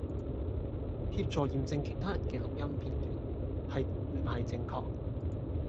協助驗證其他人既錄音片段係唔係正確